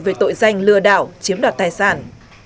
về tội danh lừa đảo chiếm đoạt tài sản